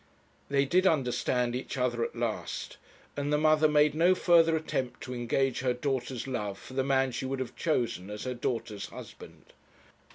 They did understand each other at last, and the mother made no further attempt to engage her daughter's love for the man she would have chosen as her daughter's husband.